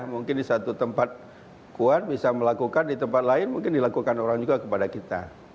mungkin di satu tempat kuat bisa melakukan di tempat lain mungkin dilakukan orang juga kepada kita